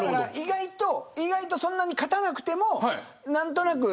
意外と、そんなに勝たなくても。